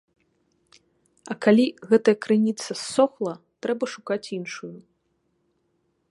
А калі гэтая крыніца ссохла, трэба шукаць іншую.